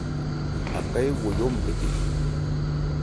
Aká éwɔyɔ́ nbɛdɛ.